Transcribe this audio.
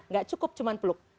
nggak cukup cuma peluk